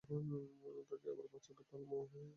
তাকে আবার বাঁচাবে, তারপর মড়ার মুণ্ড নিয়ে আসবে।